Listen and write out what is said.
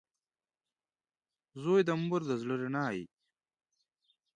• زوی د مور د زړۀ رڼا وي.